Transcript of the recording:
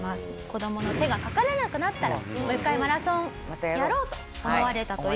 子供の手がかからなくなったらもう一回マラソンをやろうと思われたという事なんです。